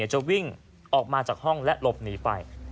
จะวิ่งออกมาจากห้องและหลบหนีไป